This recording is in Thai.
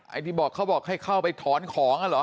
ไอ้ที่บอกเขาบอกให้เข้าไปถอนของอ่ะเหรอ